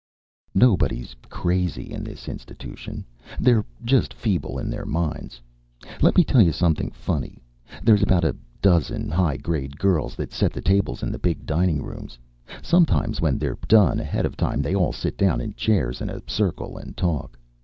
Nobody's crazy in this institution. They're just feeble in their minds. Let me tell you something funny. There's about a dozen high grade girls that set the tables in the big dining room. Sometimes when they're done ahead of time, they all sit down in chairs in a circle and talk.